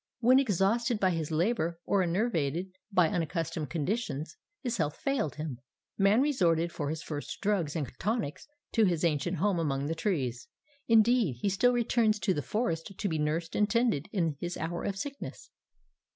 When, exhausted by his labour, or enervated by unaccustomed conditions, his health failed him, Man resorted for his first drugs and tonics to his ancient home among the trees. Indeed, he still returns to the forest to be nursed and tended in his hour of sickness.